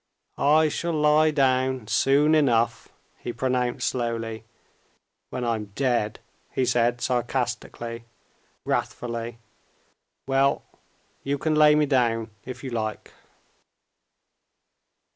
"I shall lie down soon enough," he pronounced slowly, "when I'm dead," he said sarcastically, wrathfully. "Well, you can lay me down if you like."